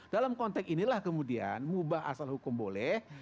dalam konteks inilah kemudian mubah asal hukum boleh